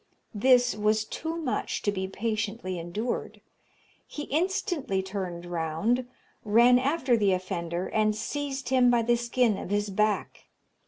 This was too much to be patiently endured. He instantly turned round, ran after the offender, and seized him by the skin of his back.